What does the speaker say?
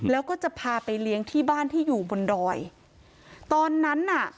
แล้วก็จะพาไปเลี้ยงที่บ้านที่อยู่บนดอยตอนนั้นน่ะ